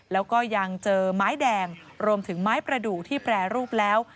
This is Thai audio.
แล้วก็ยังเจอไม้แดงรวมถึงไม้ประดูกที่แปรรูปแล้ว